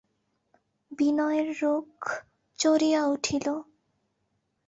বিনয়ের রোখ চড়িয়া উঠিল।